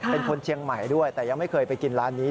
เป็นคนเชียงใหม่ด้วยแต่ยังไม่เคยไปกินร้านนี้